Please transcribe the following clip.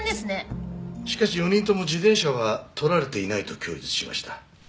しかし４人とも自転車は盗られていないと供述しました。